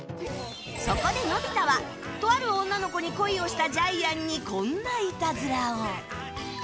そこで、のび太はとある女の子に恋をしたジャイアンにこんないたずらを。